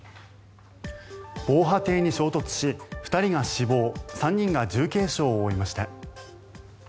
防波堤に衝突し２人が死亡３人が重軽傷を負いました。